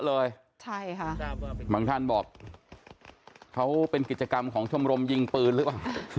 ใช่ค่ะบางท่านบอกเขาเป็นกิจกรรมของชมรมยิงปืนหรือเปล่า